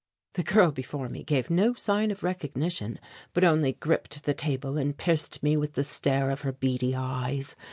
The girl before me gave no sign of recognition, but only gripped the table and pierced me with the stare of her beady eyes.